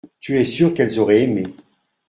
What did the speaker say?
Tu es sûr qu’elles auraient aimé.